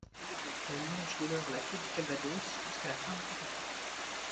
Elle longe dès lors la côte du Calvados jusqu'à la fin de son parcours.